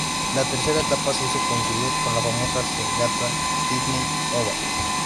La tercera etapa se hizo coincidir con la famosa regata Sídney-Hobart.